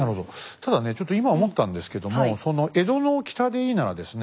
ただねちょっと今思ったんですけども江戸の北でいいならですね